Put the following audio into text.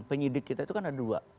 penyidik kita itu kan ada dua